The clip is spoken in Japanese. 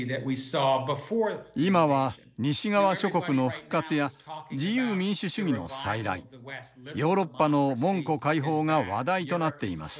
今は西側諸国の復活や自由民主主義の再来ヨーロッパの門戸開放が話題となっています。